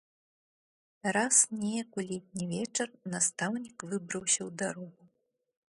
Раз неяк у летні вечар настаўнік выбраўся ў дарогу.